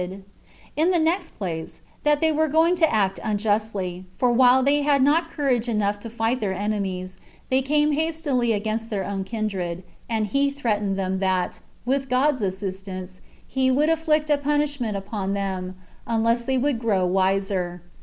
And in the next place, that they were going to act unjustly; for while they had not courage enough to fight their enemies, they came hastily against their own kindred: and he threatened them that, with God's assistance, he would inflict a punishment upon them, unless they would grow wiser.